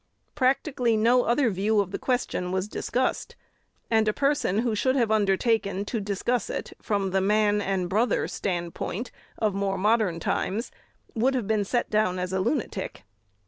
Practically no other view of the question was discussed; and a person who should have undertaken to discuss it from the "man and brother" stand point of more modern times would have been set down as a lunatic.